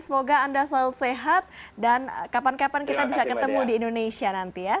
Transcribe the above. semoga anda selalu sehat dan kapan kapan kita bisa ketemu di indonesia nanti ya